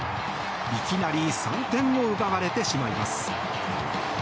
いきなり３点を奪われてしまいます。